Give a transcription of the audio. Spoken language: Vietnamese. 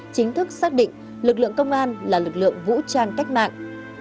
chính thức xác định lực lượng công an là lực lượng vũ trang cách mạng